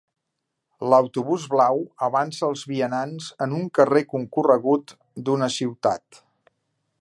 L'autobús blau avança als vianants en un carrer concorregut d'una ciutat.